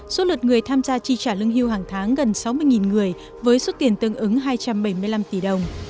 số lượt người tham gia chi trả lương hưu hàng tháng gần sáu mươi người với số tiền tương ứng hai trăm bảy mươi năm tỷ đồng